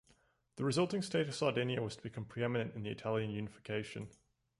The resulting state of Sardinia was to become preeminent in the Italian unification.